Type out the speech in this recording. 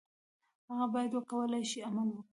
هغه باید وکولای شي عمل وکړي.